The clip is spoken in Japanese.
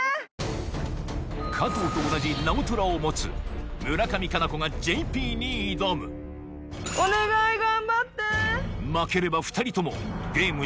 加藤と同じ直虎を持つ村上佳菜子がＪＰに挑むお願い頑張って。